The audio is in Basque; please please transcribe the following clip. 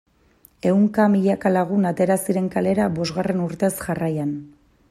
Ehunka milaka lagun atera ziren kalera bosgarren urtez jarraian.